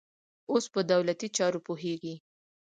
اوس په دولتي چارو پوهېږي.